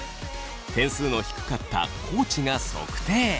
点数の低かった地が測定。